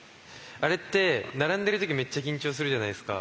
あれって並んでる時めっちゃ緊張するじゃないですか。